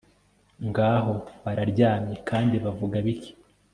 Ngaho bararyamye kandi bavuga bike